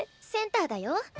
センターだよ。